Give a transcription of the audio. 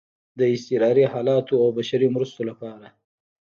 د اضطراري حالاتو او بشري مرستو لپاره